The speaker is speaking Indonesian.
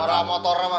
orang motornya mbah